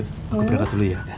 aku berangkat dulu ya